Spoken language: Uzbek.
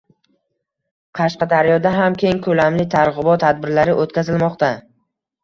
Qashqadaryoda ham keng ko‘lamli targ‘ibot tadbirlari o‘tkazilmoqda